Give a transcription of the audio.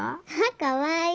かわいい。